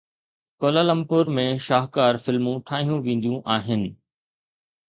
Kuala Lumpur ۾ شاهڪار فلمون ٺاهيون وينديون آهن.